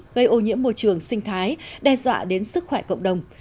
gây ô nhiễm môi trường sinh thái đe dọa đến sức khỏe cộng đồng